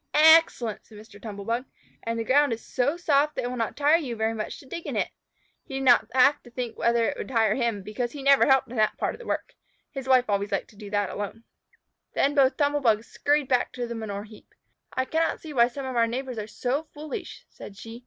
"Excellent!" exclaimed Mr. Tumble bug. "And the ground is so soft that it will not tire you very much to dig in it." He did not have to think whether it would tire him, because he never helped in that part of the work. His wife always liked to do that alone. Then both Tumble bugs scurried back to the manure heap. "I cannot see why some of our neighbors are so foolish," said she.